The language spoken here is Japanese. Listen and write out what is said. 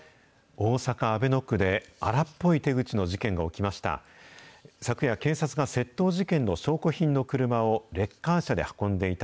大阪・阿倍野区で、荒っぽい手口の事件が起きました。